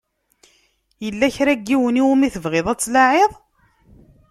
Yella kra n yiwen i wumi tebɣiḍ ad tlaɛiḍ?